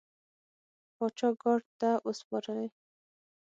پاچا ګارد ته وسپارلې.